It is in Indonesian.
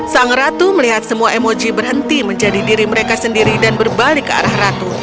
sang ratu melihat semua emoji berhenti menjadi diri mereka sendiri dan berbalik ke arah ratu